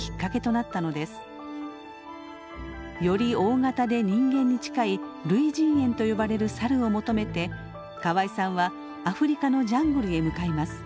より大型で人間に近い類人猿と呼ばれるサルを求めて河合さんはアフリカのジャングルへ向かいます。